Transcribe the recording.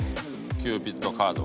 キューピッドカード。